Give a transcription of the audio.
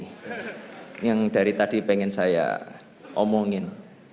ini yang dari tadi pengen saya omongin